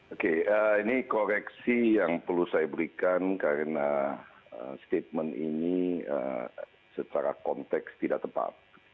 oke ini koreksi yang perlu saya berikan karena statement ini secara konteks tidak tepat